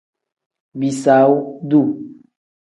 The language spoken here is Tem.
Bisaawu duu.